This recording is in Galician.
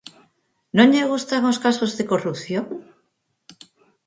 ¿Non lle gustan os casos de corrupción?